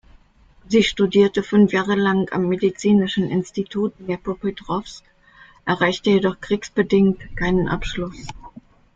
Sie studierte fünf Jahre lang am Medizinischen Institut Dnipropetrowsk, erreichte jedoch kriegsbedingt keinen Abschluss.